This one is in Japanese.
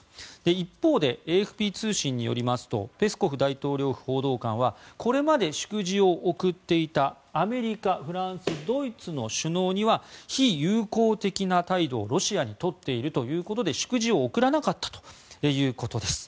一方で、ＡＦＰ通信によりますとペスコフ大統領府報道官はこれまで祝辞を贈っていたアメリカ、フランスドイツの首脳には非友好的な態度をロシアに取っているということで祝辞を贈らなかったということです。